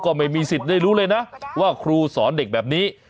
ก็ไม่มีสิทธิ์ได้รู้เลยนะว่าครูสอนเด็กแบบนี้